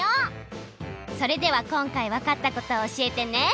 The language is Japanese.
それではこんかいわかったことを教えてね！